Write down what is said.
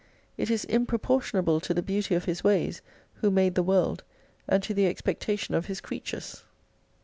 It is improportionable to the beauty of His ways, Who made the world, and to the expectation of His creatures.